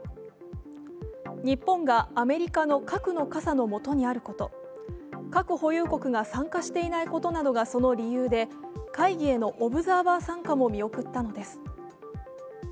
日本がアメリカの核の傘の下にあること、核保有国が参加していないことなどがその理由で、会議へのオブザーバー参加も見送ったのです。